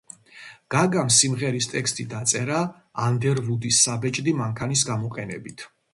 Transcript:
გაგამ სიმღერის ტექსტი დაწერა ანდერვუდის საბეჭდი მანქანის გამოყენებით.